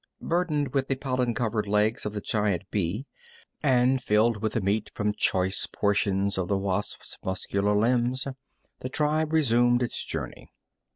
Burdened with the pollen covered legs of the giant bee, and filled with the meat from choice portions of the wasp's muscular limbs, the tribe resumed its journey.